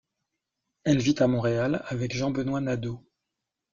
Elle vit à Montréal avec Jean-Benoît Nadeau.